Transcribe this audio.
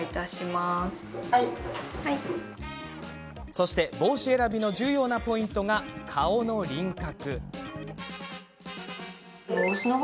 そして帽子選びの重要なポイントが顔の輪郭。